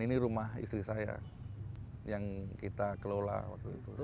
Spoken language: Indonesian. ini rumah istri saya yang kita kelola waktu itu